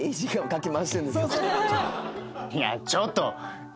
いやちょっと。